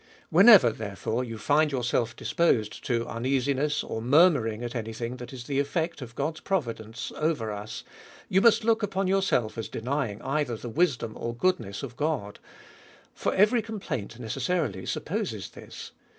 Whenever therefore you find yourself disposed to un easiness, or murmuring at any thing* that is the eftect of God's providence over you, you must look upon yourself as denying either the wisdom or goodness of God. For every complaint necessarily supposes this.